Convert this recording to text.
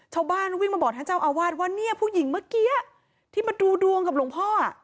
ชาวบ้านวิ่งมาบอกท่านเจ้าอาวาสว่าเนี่ยผู้หญิงเมื่อกี้ที่มาดูดวงกับหลวงพ่อ